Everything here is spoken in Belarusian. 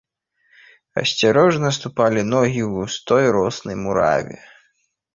Асцярожна ступалі ногі ў густой роснай мураве.